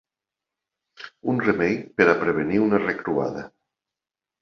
Un remei per a prevenir una recruada.